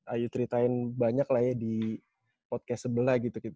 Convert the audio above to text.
ayu ceritain banyak lah ya di podcast sebelah gitu